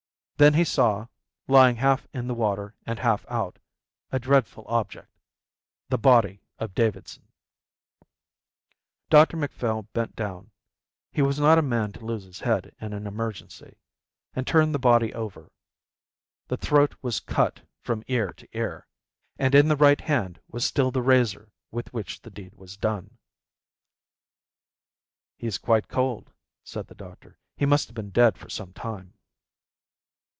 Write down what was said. Then he saw, lying half in the water and half out, a dreadful object, the body of Davidson. Dr Macphail bent down he was not a man to lose his head in an emergency and turned the body over. The throat was cut from ear to ear, and in the right hand was still the razor with which the deed was done. "He's quite cold," said the doctor. "He must have been dead some time."